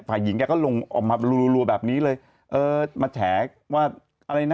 ฝ่ายหญิงแกก็ลงออกมารัวแบบนี้เลยเออมาแฉว่าอะไรนะ